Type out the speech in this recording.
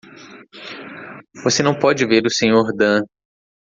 Você não pode ver o Sr. Dan.